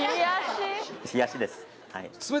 冷やしです